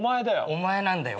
お前なんだよ